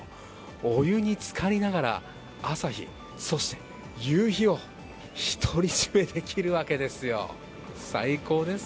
お湯につかりながら、朝日、そして夕日を独り占めできるわけですよ。